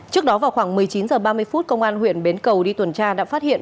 trước đó vào khoảng một mươi chín h ba mươi phút công an huyện bến cầu đi tuần tra đã phát hiện